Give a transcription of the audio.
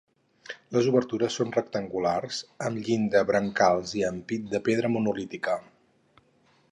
Les obertures són rectangulars amb llinda, brancals i ampit de pedra monolítica.